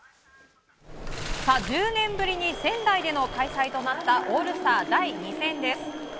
１０年ぶりに仙台での開催となったオールスター第２戦です。